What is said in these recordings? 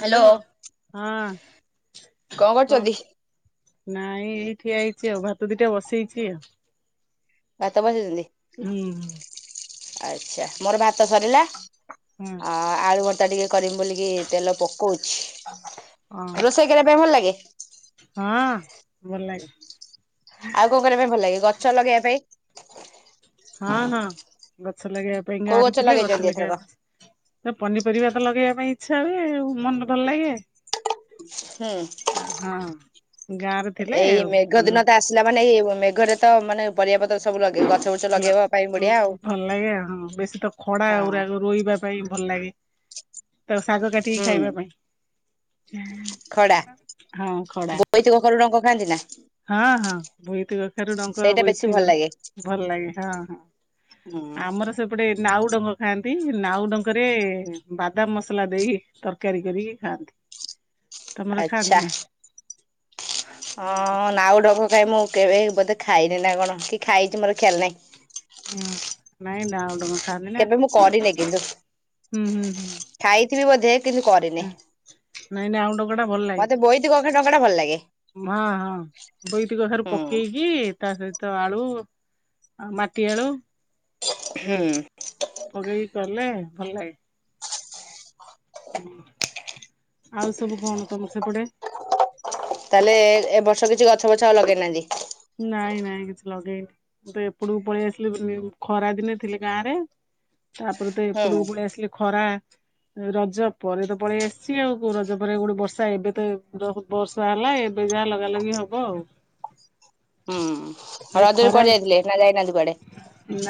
Hello hello ହଁ କଣ କ? କରୁଛନ୍ତି? ନାଇଁ ଏଇ ଠିଆ ହେଇଛି ଆଉ ଭାତ ଦିଟା ବସେଇଛି ଆଉ। ବାତ ବସେଇଛନ୍ତି? ଉଁ। ଆଚ୍ଛା ମୋର ଭାତ ସରିଲା ହୁଁ। ଆ ଆଳୁଗୋ ତା ଟିକେ କରିମି ବୋଲିକି ତେଲ ପକଉଛି ହଁ ହଁ ରୋଷେଇ କରିବା ପାଇଁ ଭଲ୍ ଲାଗେ। ହଁ ଭଲ ଲାଗେ। ଆଉ କଣ କରିବା ପାଇଁ ଭଲ ଲାଗେ ଗଛ ଲଗେଇବା ପାଇଁ? ହଁ ହଁ। ଗଛ ଲଗେଇବା ପାଇଁ କୋଉ ଗାଁ ରେ ଥିଲେ ଗଛ ଲଗେଇଛନ୍ତି ଏଥରକ? ଲଗେଇବା ତ ପନିପରିବା ତ ଲଗେଇବା ପାଇଁ ଛା ବି ମନ ଭଲ ଲାଗେ ହୁଁ ଆ ହଁ। ଗାଁରେ ଥିଲେ ଏଇ ଆଉ ମେଘ ପନି ଦିନ ତ ଆସିଲା ମାନେ ଏଇ ମେଘରେ ତ ମାନେ ପରିବାପତ୍ର ସବୁ ଲଗେଇ ଗଚ୍ ଲୋ ଭଲ୍ ଲାଗେ ହଁ ବେଶୀ ତ ଖଡ଼ା ହଁ ଉରାକ ରୋଇବା ପାଇଁ ଭଲ ଲାଗେ। ତ ଶାଗ କାଟିକି ହୁଁ ଖାଇବା ପାଇଁ। ହଁ ଖଡା। ବୋଇତି କଖାରୁ ଡଙ୍କ ଖାଆନ୍ତି ନା? ହଁ ହଁ ବୋଇତି କଖାରୁ ଡଙ୍କ ସେଇଟା ବେଶୀ ବୋଇତି ଭଲ ଲାଗେ। ଭଲ ଲାଗେ ହଁ ହଁ ହୁଁ ଆମର ସେପଟେ ନାଉ ଡଙ୍ଗ ଖାଆନ୍ତି ନାଉ ଡଙ୍କରେ ବାଦାମ ମସଲା ଦେଇ ତରକାରୀ କରିକି ଖାଆନ୍ତି। ତମର ଖାଆନ୍ତି ଆଛା ନା? ହଁ ନାଉ ଡ଼ଗ ଭାଇ ମୁଁ କେବେ ବୋଧେ ଖାଇନି ନା କଣ କି ଖାଇଛି ମୋର ଖିଆଲ ନାହିଁ। ହଁ ନାଇଁ ଡାଉ ଡ଼ଗ କେବେ ମୁଁ କରିନି କିନ୍ତୁ ହୁଁ ହୁଁ ହୁଁ। ଖାଇଥିବି ବୋଧେ କିନ୍ତୁ କରିନି। ହଁ। ନାଇଁ ନାଇ ଆଉଣ୍ଡ ଟା ଭଲ ମତେ ଲାଗ ବୋଇତି କଖା ଡଙ୍କା ଟା ଭଲ ଲାଗେ। ହଁ ହଁ ବୋଇତି କଖାରୁ ହୁଁ ପକେଇକି ତା ସହିତ ଆଳୁ ଆ ମାଟି ଆଳୁ। ହୁଁ। ପକେଇକି କଲେ ଭଲ ଲାଗେ। ହଁ ଆଉ ସବୁ କଣ ତମର ସେପଟେ? ତାହେଲେ ଏ ଏବର୍ଷ କିଛି ଗଛ ବଛ ଆଉ ଲଗେଇ ନାହାନ୍ତି। ନାଇଁ ନାଇଁ କିଛି ଲଗେଇନି ମୁଁ ତ ଏପଟକୁ ପଳେଇ ଆସିଲି ନିୟୁ ଖରା ଦିନେ ଥିଲି ଗାଁ ରେ। [inaudible] ଆପଣତ ହୁଁ ଏପଟକୁ ପଳେଇ ଆସିଲେ ଖରା। ରଜ ପରେ ତ ପଳେଇ ଆସିଛି ଆଉ କୋଉ ରଜ ପରେ ଗୋଟେ ବର୍ଷା ଏବେ ତ ବର୍ଷା ହେଲା। ଏବେ ଯାଏ ଲଗା ଲଗି ହବ ଆଉ। ହୁଁ ଏଇ ରଜରେ କୁଆଡେ ଖରାରେ ଯାଇଥିଲେ ନା ଯାଇନାହାନ୍ତି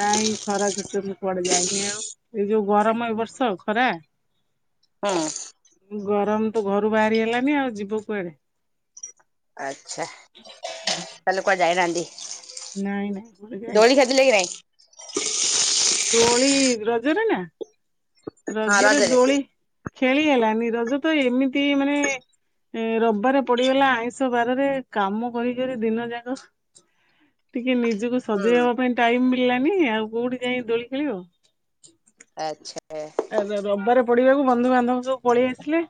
ନାଇଁ [unintelligible] କୁଆଡେ ଯାଇନି ଆଉ ଏଇ ଯୋଉ ଗରମ ଏ ବର୍ଷ ଖରା। ହଁ। ଗରମ ତ ଘରୁ ବାହାରି ହେଲାନି ଆଉ ଯିବ କୁଆଡେ। ଆଛା ତାହେଲେ କୁଆଡେ ଯାଇନାହାନ୍ତି? ନାଇଁ ନାଇଁ କୁଆଡେ ଦୋଳି ଯାଇନି। ଖେଳିଥିଲେ [inaudible] ଦୋଳି ରଜରେ ନା ରଜରେ ଦୋଳି ଖେଳି ହେଲାନି ରଜ ତ ଏମିତି ମାନେ ଏ ରବିବାରେ ପଡିଗଲା ଆଇଁଷ ବାରରେ କାମ କରିକରି ଦିନ ଯାକ [inaudible] ଟିକେ ନିଜକୁ ସଜେଇ ହୁଁ ହବାପାଇଁ ଟାଇମ ମିଳିଲାନି ଆଉ କୋଉଠି ଯାଇଁ ଦୋଳି ଖେଳିବ। ଆଛା। ଆ ଏବେ ରବିବାରେ ପଡିବାକୁ ବନ୍ଧୁବାନ୍ଧବ ସବୁ ପଳେ ଆସିଲେ।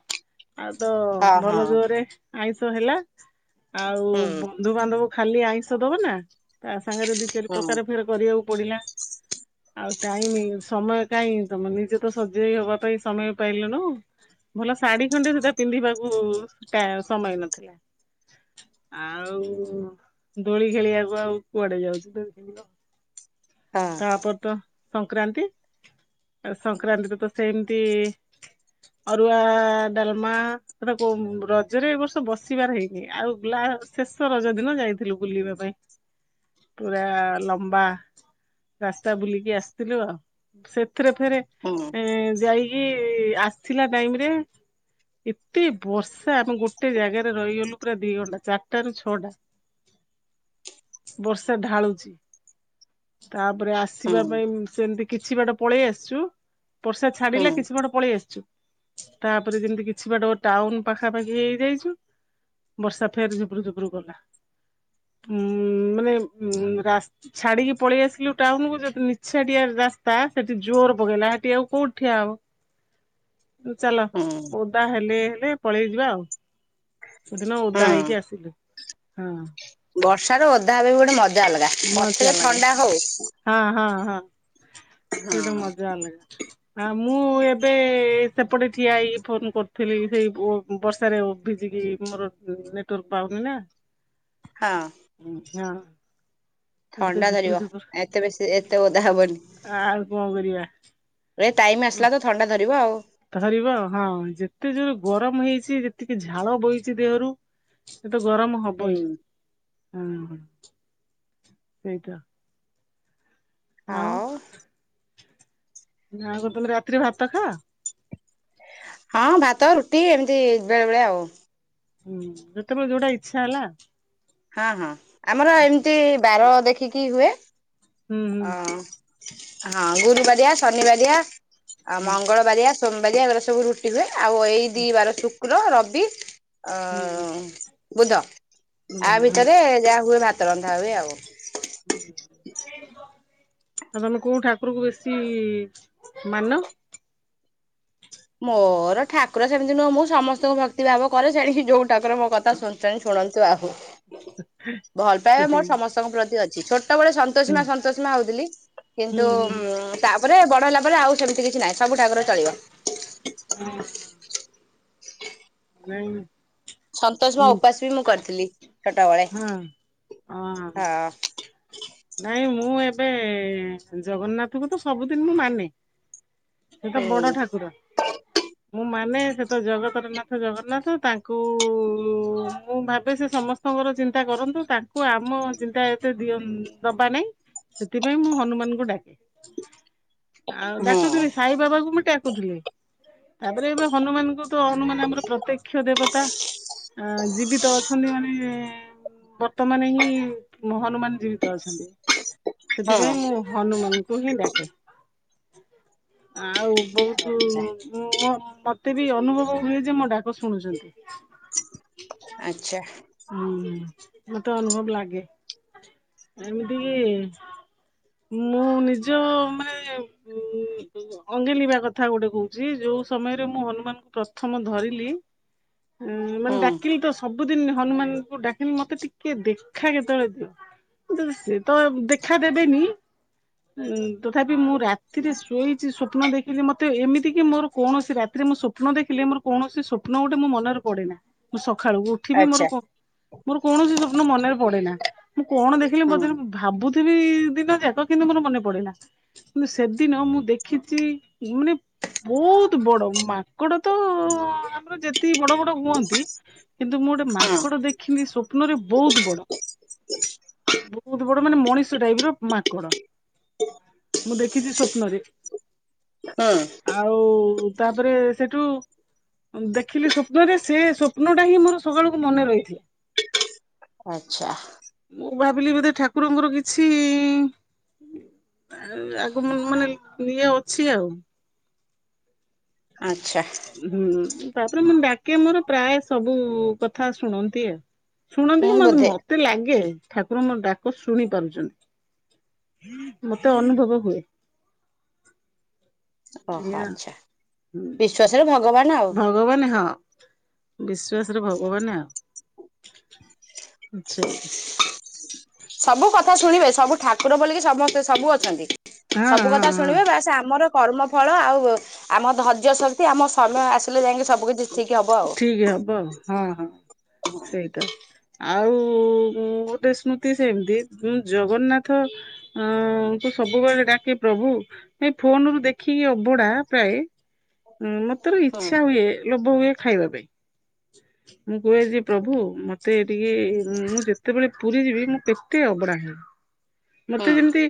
ଆଉ ତ ହଁ ହଁ ଭଲ ଜୋରେ ଆଇଁଷ ହେଲା ଆଉ ହୁଁ ବନ୍ଧୁବାନ୍ଧବ ଖାଲି ଆଇଁଷ ଦବ ନା ତା ସାଙ୍ଗରେ ଦି ଚାରି ହୁଁ ପ୍ରକାର ଫେରେ କରିବାକୁ ପଡିଲା ଆଉ ଟାଇମି ସମୟ କାଇଁ ତମେ ନିଜେ ତ ସଜେଇ ହବା ପାଇଁ ସମୟ ପାଇଲୁନୁ ଭଲ ଶାଢୀ ଖଣ୍ଡେ ସୁଦା ପିନ୍ଧିବାକୁ ଟା ସମୟ ନଥିଲା। [inaudible] [inaudible] ଆଉ ଦୋଳି ଖେଳିବାକୁ ଆଉ କୁଆଡେ ଯାଉଚି ଦୋଳି ଖେଳିଲ ହଁ ତାପରେ ତ ସଂକ୍ରାନ୍ତି ଆଉ ସଂକ୍ରାନ୍ତିରେ ତ ସେମତି ଅରୁଆ ଡାଲମା ଏତାକୁ ରଜରେ ଏ ବର୍ଷ ବସିବାର ହେଇନି ଆଉ ଗ୍ଲା ଶେଷ ରଜ ଦିନ ଯାଇଥିଲୁ ବୁଲିବା ପାଇଁ ପୁରା ଲମ୍ବା ରାସ୍ତା ବୁଲିକି ଆସଥିଲୁ ଆଉ ସେଥିରେ ଫେରେ ହୁଁ ଏଁ ଯାଇ କି ଆସିଲା ଟାଇମରେ ଏତେ ବର୍ଷା ଆମେ ଗୋଟେ ଜାଗାରେ ରହିଗଲୁ ପୁରା ଦି ଘଣ୍ଟା ଚାରିଟା ର ଛଅଟା। [inaudible] ବର୍ଷା ଢାଳୁଚି। ତାପରେ ହୁଁ ଆସିବା ପାଇଁ ସେମତି କିଛି ବାଟ ପଳେଇ ଆସଚୁ ବର୍ଷା ହୁଁ ଛାଡ଼ିଲା କିଛି ବାଟେ ପଳେଇ ଆସଚୁ ତାପରେ ଯେମତି କିଛି ବାଟ ଟାଉନ ପାଖାପାଖି ହେଇଯାଇଚୁ ବର୍ଷା ଫେରେ ଝୁପୁରୁ ଝୁପୁରୁ କଲା। ଉଁ ମାନେ ଉଁ ରାସ୍ ଛାଡିକି ପଳେଇ ଆସିଲୁ ଟାଉନକୁୁ ଯେହେତୁ ନିଛାଟିଆ ରାସ୍ତା ସେଠି ଜୋର ପକେଇଲା ହେ ଠି ଆଉ କୋଉଠି ଠିଆହବ ଉ ଚାଲ ହୁଁ ଓଦା ହେଲେ ହେ ରେ ପଳେଇ ଯିବା ଆଉ ସେଦିନ ଓଦା ହୁଁ ହେଇକି ଆସିଲୁ ହଁ। ବର୍ଷରେ ଓଦା ହେବେ ବି ଗୋଟେ ମଜା ଅଲଗା ମଜା ପଛରେ ଥଣ୍ଡା ହୋଉ। ସେଇଟା ମଜା ଅଲଗା। ଆ ମୁଁ ଏବେ ସେପଟେ ଠିଆ ହେଇକି ଫୋନ କରୁଥୁଲି ସେଇ ବର୍ଷାରେ ଭିଜି ବି ମୋର ନେଟୱର୍କ ପାଉନି ନା। ହଁ। ହଁ। ଏଠି ତ ଥଣ୍ଡା ଝୁପୁର ଧରିବ ଝୁପୁର ଏତେ ବେଶୀ ଏତେ ଓଦା ହବନି। ଆଉ କଣ କରିବା ଏ ଟାଇମ୍ ଆସିଲାତ ଥଣ୍ଡା ଧରିବ ଆଉ। ଧରିବ ହଁ ଯେତେ ଯୋଉ ଗରମ ହେଇଚି ଯେତିକି ଝାଳ ବୋହିଚି ଦେହରୁ ଏ ତ ଗରମ ହବ ହିଁ ହୁଁ ଉ ହଁ ସେଇଟା। ଆଉ ନା କଣ ତମେ ରାତିରେ ଭାତ ଖାଅ? ହଁ ଭାତ, ରୁଟି ଏମତି ବେଳେ ବେଳେ ଆଉ। ହୁଁ, ଯେତେବେଳେ ଯୋଉଟା ଇଚ୍ଛା ହେଲା ହଁ, ହଁ ଆମର ଏମିତି ବାର ଦେଖିକି ହୁଏ। ହୁଁ ଅ, ହୁଁ ହଁ, ଗୁରୁବାରିଆ, ଶନିବାରିଆ। ଆଉ ହୁଁ ମଙ୍ଗଳବାରିଆ, ସୋମବାରିଆ ଏଗୁରା ସବୁ ରୁଟି ହୁଏ। ଆଉ ଏଇ ଦି ବାର ଶୁ କ୍ର, ରବି ଅ, ହୁଁ ହୁଁ। ବୁଧ ବୁଧ ଆ ହୁଁ ଭିତରେ ଆଉ ଯାହା ହୁଏ ଭା ତ ରନ୍ଧା ହୁଏ ଆଉ। [unintelligible] ଆଉ, ତୋମେ କୋଉ ଠାକୁରଙ୍କୁ ବେଶୀ ମାନ? ମୋର ଠାକୁର ସେମିତି ନୁହଁ, ମୁଁ ସମସ୍ତଙ୍କୁ ଭକ୍ତିଭାବ କରେ। ସେଣିକି ଯୋଉ ଠାକୁର ମୋ କଥା ଶୁଣୁଚନ୍ତି ଶୁଣନ୍ତୁ ଆହୁ। [unintelligible] ଭଲ ପାଇବା ହୁଁ ମୋର ସମସ୍ତଙ୍କ ପ୍ରତି ଅଛି। ଛୋଟବେଳେ ସନ୍ତୋଷୀ ମା, ସନ୍ତୋଷୀ ମା ହଉଥିଲି। ହୁଁ କିନ୍ତୁ, ଉଁ, ତା ପରେ, ବଡ ହେଲା ପରେ ଆଉ ସେମିତି କିଛି ନାହିଁ। ସବୁ ଠାକୁର ଚଳିବ। ନାଇ ସନ୍ତୋଷୀ ମା ଉପାସ ବି ମୁଁ କରିଥିଲି ଛୋଟବେଳେ। ଓ ହୋ ହଁ ନା ମୁଁ ଏବେ ଜଗନ୍ନାଥକୁ ତ ସବୁଦିନ ମୁଁ ମାନେ। ସିଏ ତ ବଡ ହୁଁ। ଠାକୁର। ମୁଁ ମାନେ ସେ ତ ଜଗତର ନା ଥ ଜଗନ୍ନାଥ ତାଙ୍କୁ କୁ ମୁଁ ଭାବେ ସେ ସମସ୍ତଙ୍କର ଚିନ୍ତା କରନ୍ତୁ, ତାଙ୍କୁ ଆମ ଚିନ୍ତା ଏତେ ଦିଅ ଦବା ନାଇ। ସେଥିପାଇଁ ମୁଁ ହନୁମାନଙ୍କୁ ଡାକେ। ଆଉ ହୁଁ ଡାକୁଥିଲି ସାଇ ବାବାକୁ ମୁଁ ଡାକୁଥିଲି। ତାପରେ ଏବେ ହନୁମାନଙ୍କୁ ତ ହନୁମାନ ଆମର ପ୍ରତ୍ୟକ୍ଷ ଦେବତା ଅ, ଜୀବିତ ଅଛନ୍ତି ମାନେ ବର୍ ତ ମାନେ ହିଁ ହନୁମାନ ଜୀବି ତ ଅଛନ୍ତି, ସେଥିପାଇଁ ହଁ ମୁଁ ହନୁମାନଙ୍କୁ ହିଁ ଡାକେ। ଆଉ ବହୁତୁ ଆଚ୍ଛା ମୋ ମୋତେ ବି ଅନୁଭବ ହୁଏ ଯେ ମୋ ଡାକ ଶୁଣୁଛନ୍ତି। ଆଚ୍ଛା ଉଁ, ହୁଁ, ମୋତେ ଅନୁଭବ ଲାଗେ। ଏମିତିକି ମୁଁ ନିଜ ମାନେ ଉଁ, ଅଙ୍ଗେଲିଭା କଥା ଗୋଟେ କହୁଚି, ଯୋ ଯୋଉ ସମୟରେ ମୁଁ ହନୁମାନଙ୍କୁ ପ୍ରଥମ ଧରିଲି। ଉଁ, ମାନେ ହୁଁ। ଡାକିଲି ତ ସବୁ ସବୁଦିନ ହନୁମାନଙ୍କୁ ଡାକିନି ମୋତେ ଟିକେ ଦେଖା କେତେବେଳେ ଦିଅ। ତ ସିଏ ତ ଦେଖା ଦେବେନି। ଏ ଉଁ, ତଥାପି ମୁଁ ରାତିରେ ଶୋଇଚି ସ୍ୱପ୍ନ ଦେଖିଲି ମୋତେ ଏମିତି କି ମୋର କୌଣସି ରାତି ଯେ ମୁଁ ସ୍ବପ୍ନ ଦେଖିଲେ ମୋର କୌଣସି ସ୍ୱପ୍ନ ଗୋଟେ ମୋ ମନର ପଡେନା ମୁଁ ସଖାଳ କୁ ଉଠିବି ମୋର ଆଚ୍ଛା କ ମୋର କୌଣସି ସ୍ୱପ୍ନ ମନେର ପଡେନା ମୁଁ କଣ ଦେଖିଲି ମୋତେର ହୁଁ ଭାବୁ ଥିବି ଦିନ ଯାକ କିନ୍ତୁ ମୋର ମନେ ପଡେନା। କିୁ ସେଦିନ ମୁଁ ଦେଖିଚି ମାନେ ବହୁତ ବଡ ମାଙ୍କଡ ତ ର ଯେତିକି ବଡ ବଡ ହୁହନ୍ତି କିନ୍ତୁ ମୁଁ ଗୋଟେ ହୁଁ ମାଙ୍କଡ ଦେଖିଲି ସ୍ଵପ୍ନରେ ବହୁତ ବଡ। ବହୁତ ବଡ ମାନେ ମଣିଷ ଟାଇପ୍ ର ମାଙ୍କଡ। ମୁଁ ଦେଖିଚି ସ୍ୱପ୍ନରେ। ହୁଁ ଆଉ ତାପରେ ସେଠୁ ଦେଖିଲି ସ୍ୱପ୍ନରେ ସେ ସ୍ଵପ୍ନଟା ହିଁ ମୋର ସକାଳକୁ ମନେ ଆଚ୍ଛା ରହିଥିଲା। ମୋ ଭାବିଲି ବୋଧେ ଠାକୁରଙ୍କର କିଛି ଆ, ଆଗ ମାନ ମାନେ ଇଏ ଅଛି ଆଉ। ଆଚ୍ଛା। ହୁଁ ତାପରେ ମୁଁ ଡାକେ ମୋର ପ୍ରାୟ ସବୁ କଥା ଶୁଣନ୍ତି ଆଉ। ଶୁଣନ୍ତି ହୁଁ କି ମତେ ବୋଧେ ମତେ ଲାଗେ। ଠାକୁର ମୋ ଡାକ ଶୁଣି ପାରୁଛନ୍ତି ମତେ ଅନୁଭବ ହୁଏ। ଓହୋ ଏଇଆ ଆଛା ବିଶ୍ଵାସରେ ଭଗବାନ। ଆଉ। ଭଗବାନ ହଁ ବିଶ୍ଵାସରେ ଭଗବାନ ଆଉ। ମିଛେଇ। ସବୁ କଥା ଶୁଣିବେ ସବୁ ଠାକୁର ବୋଲିକି ସମସ୍ତେ ସବୁ ଅଛନ୍ତି। ହଁ ସବୁ ହଁ କଥା ହଁ ଶୁଣିବେ ବାସ ଆମର। କର୍ମ ଫଳ ଆଉ ଆମ ଧୈର୍ଯ୍ୟ ଶକ୍ତି ଆମ ସମୟ ଆସିଲେ ଯାଇକି ସବୁ କିଛି ଠିକ ହବ ଆଉ। ଠିକ ହବ ହଁ ହଁ ସେଇଟା ଆଉ ଗୋଟେ ସ୍ମୃତି ସେମିତି ଜଗନ୍ନାଥ ଅଁ ତାଙ୍କୁ ସବୁବେଳେ ଡାକେ ପ୍ରଭୁ ଏ ଫୋନ ରୁ ଦେଖିକି ଅଭଢା ପ୍ରାୟ [unintelligible] ହୁଁ ମୋତେର ହୁଁ ଇଛା ହୁଏ ଲୋଭ ହୁଏ ଖାଇବା ପାଇଁ ମୁ କୁହେ ଯେ ପ୍ରଭୁ ମୋତେ ଏ ଟିକେ ମୁଁ ଯେତେବେଳେ ପୁରୀ ଯିବି ମୁଁ କେତେ ଅବଢା ଖାଏ ହୁଁ ମତେ ଯେମିତି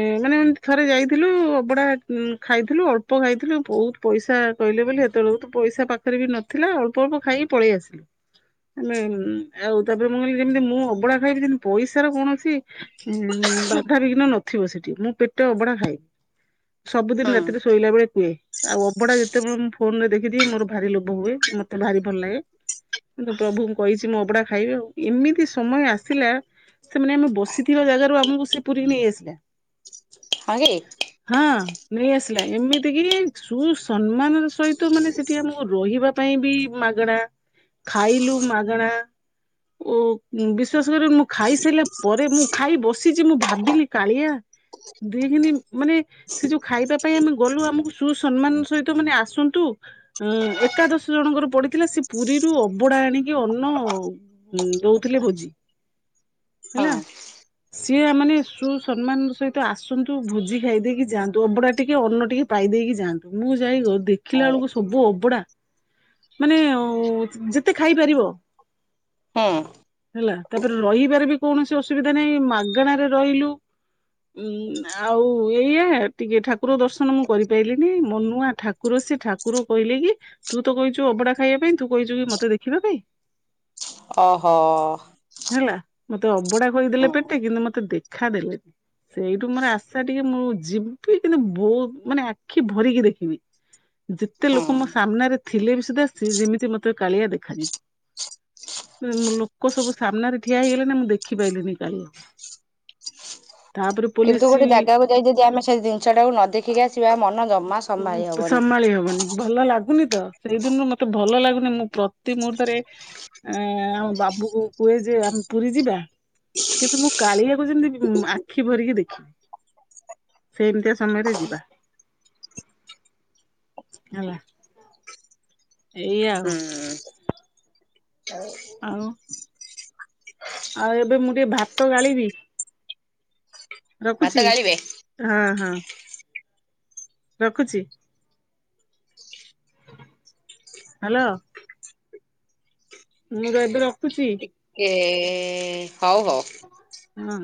ଏ ମାନେ ଥରେ ଯାଇଥିଲୁ ଅଭଡା ଖାଇଥିଲୁ ଅଳ୍ପ ଖାଇଥିଲୁ ବହୁତ ପଇସା କହିଲେ। ସେତେବେଳକୁ ତୁ ପଇସା ପାଖରେ ବି ନଥିଲା, ଅଳ୍ପ ଅଳ୍ପ ଖାଇକି ପଳେଇ ଆସିଲୁ। ଆଉ ତାପରେ ମୁଁ କହିଲି ଯେମିତି ମୁଁ ଅବଡା ଖାଇବି ଯେମତି ପଇସାର କୌଣସି ବାଧାାବିଘ୍ନ ନଥିବ ସେଠି ମୁଁ ପେଟ ଅଭଢା ଖାଏ। ସବୁଦିନ ହୁଁ ରାତିରେ ଶୋଇଲା ବେଳେ କୁହେ ଆଉ ଅଭଡ଼ା ଯେତେବେଳେ ମୁ ଫୋନ ରେ ଦେଖିଦିଏ ମୋର ଭାରି ଲୋଭ ହୁଏ ମତେ ଭାରି ଭଲ ଲାଗେ। କିନ୍ତୁ ପ୍ରଭୁଙ୍କୁ କହିଛି ମୁଁ ଅଭଡା ଖାଇବି ଆଉ ଏମିତି ସମୟ ଆସିଲା ସେମାନେ ଆମେ ବସିଥିବା ଜାଗାରୁ ଆମକୁ ସେ ପୁରୀ ନେଇ ଆସିଲେ। ହଇରେ [unintelligible] ନେଇଆସିଲା ଏମିତି କିି ସୁସମ୍ମାନ ସହିତ ମାନେ ସେଠି ଆମକୁ ରହିବା ପାଇଁ ବି ମାଗଣା ଖାଇଲୁ ମାଗଣା ଓ ବିଶ୍ୱାସ କରିବ ମୁଁ ଖାଇସାରିଲା ପରେ ମୁଁ ଖାଇ ବସି ସେ ଯେ ମୁଁ ଭାବିଲି କାଳିଆ ଦି ଦିନି ମାନେ ସେ ଯୋଉ ଖାଇବା ପାଇଁ ଆମେ ଗଲୁ ଆମକୁ ସୁସମ୍ମାନ ସହିତ ମାନେ ଆସନ୍ତୁ। ହଁ ଏକାଦଶୀ ଜଣଙ୍କର ପଡିଥିଲା ସେ ପୁରୀରୁ ଅଢଡା ଆଣିକି ଅନ୍ନ ଉ ଦଉଥିଲେ ଭୋଜି। ହଁ। ହେଲା ସିଏ ମାନେ ସୁସମ୍ମାନ ସହିତ ଆସନ୍ତୁ ଭୋଜି ଖାଇ ଦେଇକି ଯାଆନ୍ତୁ, ଅଭଡା ଟିକେ ଅନ୍ନ ଟିକେ ପା ଖାଇ ଦେଇକି ଯାଆନ୍ତୁ, ମୁଁ ଯାଇକି ଦେଖିଲା ବେଳକୁ ହୁଁ ସବୁ ଅବଡା ମାନେ ଅଁ ଯେତେ ଖାଇପାରିବ ହେଲା ତାପରେ ରହିବାରେ ବି କୌଣସି ଅସୁବିଧା ନାଇଁ ମାଗଣାରେ ରହିଲୁ। ଉଁ ଆଉ ଏଇଆା ଟିକେ ଠାକୁର ଦର୍ଶନ ମୁଁ କରିପାଈଲିନି, ମୋ ମନୂଆ ଠାକୁର ସେ ଠାକୁର କହିଲେ କି ତୁ ତ କହିଛୁ ଅବଡା ଖାଇବା ପାଇଁ ତୁ କହିଛୁ କି ମତେ ଦେଖିବା ପାଇଁ ଅହୋ। ହେଲା ମତେ ଅବଢ଼ା ଖୁଏଇଦେଲେ ପେଟେ କିନି, ମତେ ଦେଖା ଦେଲେନି। ସେଇଠୁ ମୋର ଆଶା ଟିକେ ମୁଁ ଯିବି କିନ୍ତୁ ବହୁତ ମାନେ ଆଖି ଭରିକି ଦେଖିବି। ଯେତେ ଲୋକ ମୋ ହୁଁ। ସାମ୍ନାରେ ଥିଲେ ବି ସୁଧା ସେ ଯେମିତି ମତେ କାଳିଆ ଦେଖାଯିବ। ଲୋକ ସବୁ ସାମ୍ନାରେ ଠିଆ ହେଇଗଲେ ନା ମୁଁ ଦେଖି ପାଇଲିିନି କାଲି। କିନ୍ତୁ ଗୋଟେ ପୋଲିସ ଜାଗାକୁ ଯାଇ ଯଦି ଆମେ ସେ ଜିନଷ ଟାକୁ ନ ଦେଖିକି ଆସିବା ମନ ଜମା ସମ୍ଭାଳି ହବନି। [unintelligible] ହବନି ଭଲ ଲାଗୁନି ତ ସେଇ ଦିନରୁ ମତେ ଭଲ ଲାଗୁନି ମୁଁ ପ୍ରତି ମୁହୂର୍ତ୍ତରେ ଆଁ ଆମ ବାପ ପା କୁହେ ଯେ ଆମେ ପୁରୀ ଯିବା? ହ [inaudible] କିନ୍ତୁ ମୁଁ କାଳିଆକୁ ଯେମତି ଆଖି ଭରିକି ଦେଖିବି। ସେମତିୟା ସମୟରେ ଯିବା। ହେଲା। ଏଇଆ ଆଉ ହୁଁ। ଆଉ। ଆଉ ଏବେ ମୁଁ ଟିକେ ଭାତ ଗାଳିବି। ଭାତ ରଖୁଛି ଗାଳିବେ ହଁ ହଁ। ରଖୁଛି। ହାଲୋ। ମୁଁ ର ଏବେ ରଖୁଛି। କେ ହଉ ହଉ। ଉଁ।